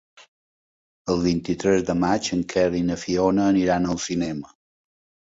El vint-i-tres de maig en Quer i na Fiona aniran al cinema.